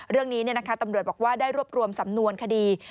เรื่องนี้ตำรวจบอกว่าได้รวบรวมสำนวนคดี